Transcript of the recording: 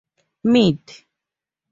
Med.